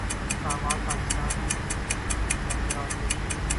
Islamabad Pakistan Canberra Australia